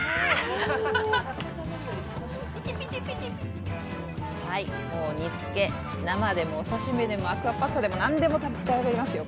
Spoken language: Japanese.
ハハハはい煮つけ生でも刺身でもアクアパッツァでも何でも食べられますよ